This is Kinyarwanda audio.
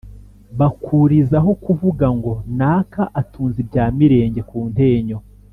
bakurizaho kuvuga ngo naka atunze ibya Mirenge ku Ntenyo.